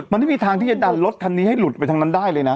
มันไม่มีทางที่จะดันรถคันนี้ให้หลุดไปทางนั้นได้เลยนะ